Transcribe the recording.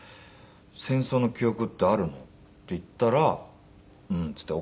「戦争の記憶ってあるの？」って言ったら「うん」って言って。